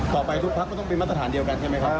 ไปทุกพักก็ต้องเป็นมาตรฐานเดียวกันใช่ไหมครับ